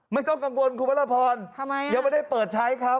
ไม่ต้องกังวลคุณพระราพรยังไม่ได้เปิดใช้ครับ